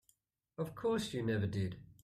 Of course you never did.